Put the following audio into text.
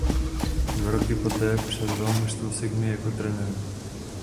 Dva roky poté převzal mužstvo Sigmy jako trenér.